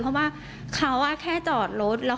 เพราะว่าเขาแค่จอดรถ